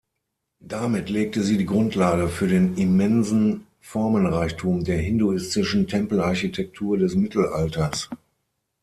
Damit legte sie die Grundlage für den immensen Formenreichtum der hinduistischen Tempelarchitektur des Mittelalters.